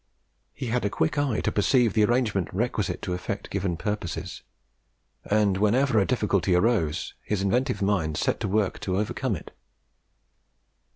He had a quick eye to perceive the arrangements requisite to effect given purposes; and whenever a difficulty arose, his inventive mind set to work to overcome it.